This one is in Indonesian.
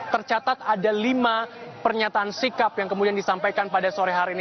tercatat ada lima pernyataan sikap yang kemudian disampaikan pada sore hari ini